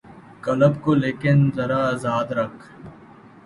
قلب کو لیکن ذرا آزاد رکھ